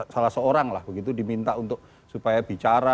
salah seorang lah begitu diminta untuk supaya bicara